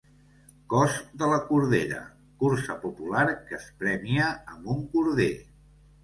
Cos de la Cordera: cursa popular que es premia amb un corder.